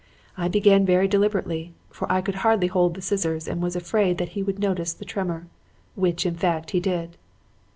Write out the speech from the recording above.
I began very deliberately, for I could hardly hold the scissors and was afraid that he would notice the tremor; which, in fact, he did.